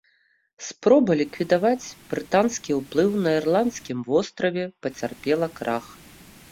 Спроба ліквідаваць брытанскі ўплыў на ірландскім востраве пацярпела крах.